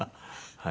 はい。